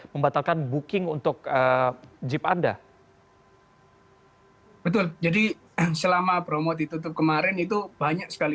membatalkan booking untuk jeep anda betul jadi selama promo ditutup kemarin itu banyak sekali